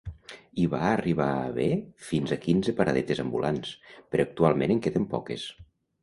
Hi va arribar a haver fins a quinze paradetes ambulants, però actualment en queden poques.